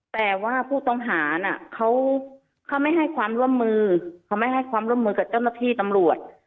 แต่ว่าผู้ต้องหาน่ะเขาไม่ให้ความร่วมมือเขาไม่ให้ความร่วมมือกับเจ้าหน้าที่ตำรวจ